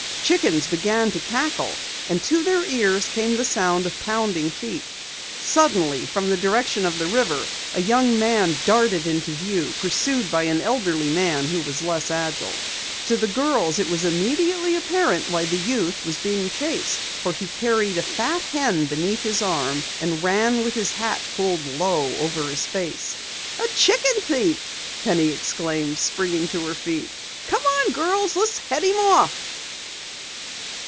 Chickens began to cackle, and to their ears came the sound of pounding feet. Suddenly, from the direction of the river, a young man darted into view, pursued by an elderly man who was less agile. To the girls, it was immediately apparent why the youth was being chased, for he carried a fat hen beneath his arm, and ran with hat pulled low over his face. "A chicken thief!" Penny exclaimed, springing to her feet. "Come on, girls, let's head him off!"